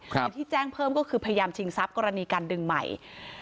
คือที่แจ้งเพิ่มก็คือพยายามชิงทรัพย์กรณีการดึงใหม่